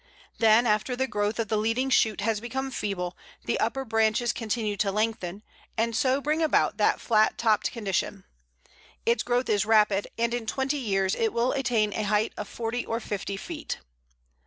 Then, after the growth of the leading shoot has become feeble, the upper branches continue to lengthen, and so bring about that flat topped condition. Its growth is rapid, and in twenty years it will attain a height of forty or fifty feet.